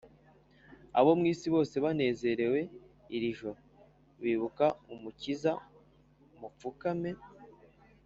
abo mw isi bose banezerewe iri joro, bibuka umukizamupfukame,